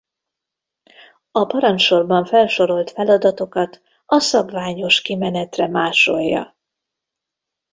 A parancssorban felsorolt feladatokat a szabványos kimenetre másolja.